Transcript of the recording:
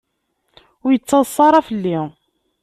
Ur yettaḍsa ara fell-i.